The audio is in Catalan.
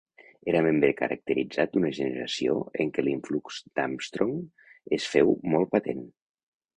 Era membre caracteritzat d'una generació en què l'influx d'Armstrong es féu molt patent.